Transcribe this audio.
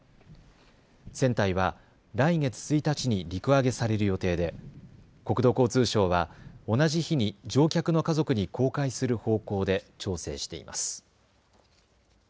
船体は来月１日に陸揚げされる予定で、国土交通省は同じ日に乗客の家族に公開する方向で調整しています。